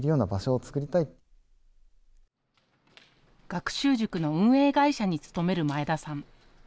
学習塾の運営会社に勤める前田さん。